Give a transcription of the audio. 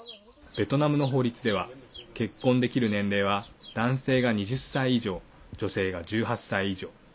ベトナムの法律では結婚できる年齢は男性が２０歳以上女性が１８歳以上。